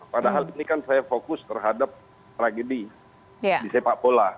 padahal ini kan saya fokus terhadap tragedi di sepak bola